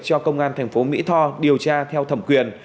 cho công an thành phố mỹ tho điều tra theo thẩm quyền